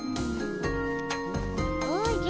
おじゃ。